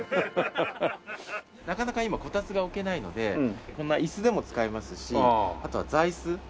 なかなか今こたつが置けないので椅子でも使えますしあとは座椅子なんかでも使えます。